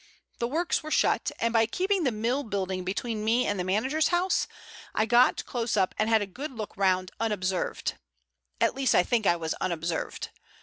The works were shut, and by keeping the mill building between me and the manager's house, I got close up and had a good look round unobserved—at least, I think I was unobserved.